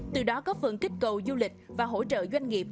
từ đó góp phần kích cầu du lịch và hỗ trợ doanh nghiệp